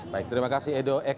baik terima kasih edo